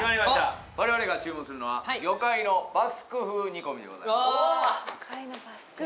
我々が注文するのは魚介のバスク風煮込みでございます